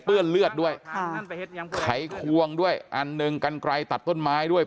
เลือดด้วยค่ะไขควงด้วยอันหนึ่งกันไกลตัดต้นไม้ด้วย